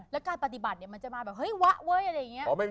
แล้วการปฏิบัติมันจะมาแบบเฮ้ยวะเว้ยอะไรอย่างนี้